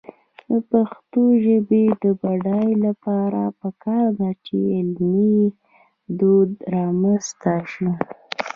د پښتو ژبې د بډاینې لپاره پکار ده چې علمي دود رامنځته شي.